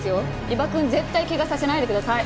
伊庭くん絶対怪我させないでください。